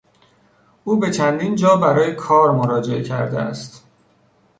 او به چندین جا برای کار مراجعه کرده است.